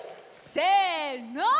せの！